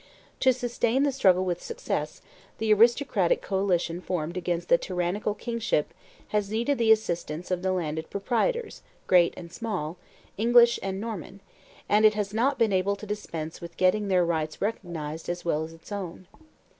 To sustain the struggle with success, the aristocratic coalition formed against the tyrannical kingship has needed the assistance of the landed proprietors, great and small, English and Norman, and it has not been able to dispense with getting their rights recognized as well as its own.